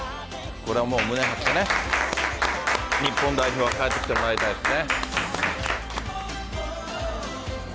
これはもう、胸張ってね、日本代表は帰ってきてもらいたいですね。